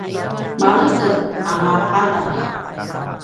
maledepanga a ’adav